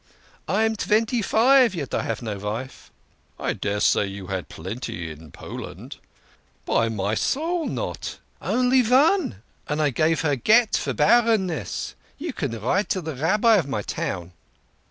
" I am twenty five yet I have no vife." "I daresay you had plenty in Poland." "By my soul, not. Only von, and her I gave gett (divorce) for barrenness. You can write to de Rabbi of my town."